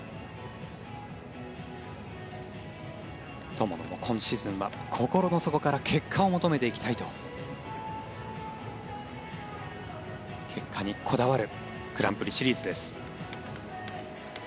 友野も今シーズンは心の底から結果を求めていきたいと結果にこだわるグランプリシリーズです。